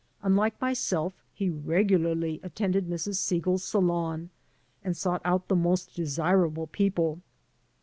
Unlike myself, he regularly attended Mrs. Segal's salon and sought out the most desirable people.